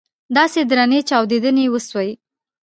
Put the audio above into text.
داسې درنې چاودنې وسوې.